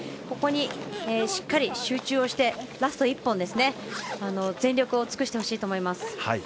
ここにしっかり集中してラスト１本、全力を尽くしてほしいと思います。